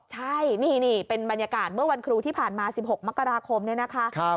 ใช่นี่เป็นบรรยากาศเมื่อวันครูที่ผ่านมา๑๖มกราคมเนี่ยนะคะ